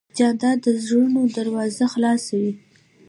جانداد د زړونو دروازه خلاصوي.